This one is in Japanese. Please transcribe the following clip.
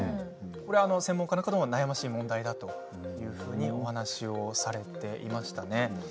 専門家の方も悩ましい問題だと話をされていましたね。